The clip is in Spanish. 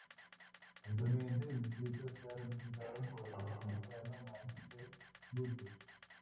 Actualmente el distrito está representado por el Republicano Michael C. Burgess.